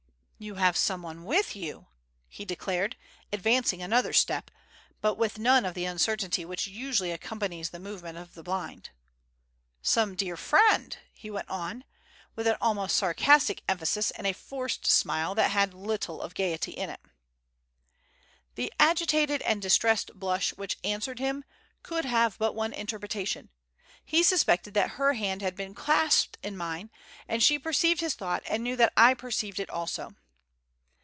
"You have someone with you," he declared, advancing another step, but with none of the uncertainty which usually accompanies the movements of the blind. "Some dear friend," he went on, with an almost sarcastic emphasis and a forced smile that had little of gaiety in it. The agitated and distressed blush which answered him could have but one interpretation. He suspected that her hand had been clasped in mine, and she perceived his thought and knew that I perceived it also.